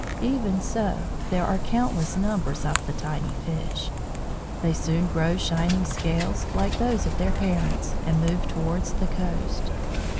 Even so, there are countless numbers of the tiny fish. They soon grow shining scales, like those of their parents, and move towards the coast.